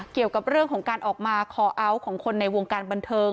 เกี่ยวกับเรื่องของการออกมาคอเอาท์ของคนในวงการบันเทิง